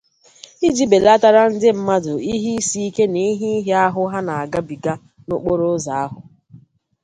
iji belatara ndị mmadụ ihe isiike na ihe nhịahịahụ ha na-agabiga n'okporoụzọ ahụ.